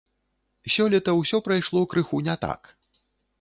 Сёлета ўсё прайшло крыху не так.